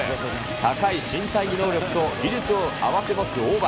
高い身体能力と技術を併せ持つ大場。